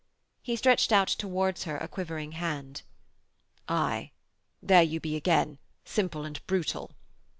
He stretched out towards her a quivering hand. 'Aye, there you be again, simple and brutal!'